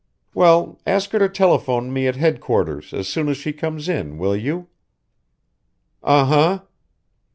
Well, ask her to telephone me at headquarters as soon as she comes in, will you? Uh huh!